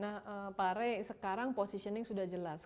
nah pak rey sekarang positioning sudah jelas